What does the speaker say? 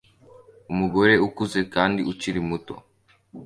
Umugore ukuze kandi ukiri muto